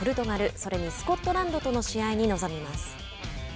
それにスコットランドとの試合に臨みます。